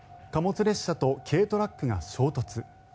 貨物列車と軽トラックが衝突